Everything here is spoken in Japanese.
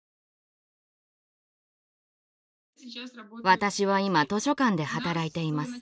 私は今図書館で働いています。